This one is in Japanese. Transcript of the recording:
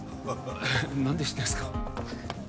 何で知ってんですか？